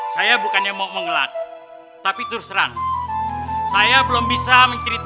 saya berani berhenti berlatih